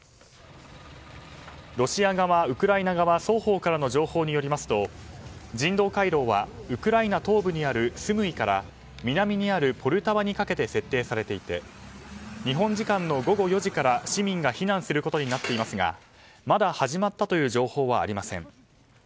ロシア側、ウクライナ側双方からの情報によりますと人道回廊はウクライナ東部にあるスムイから南にあるポルタワにかけて設定されていて日本時間の午後４時から市民が避難することになっていますがまだ始まったという情報はありません。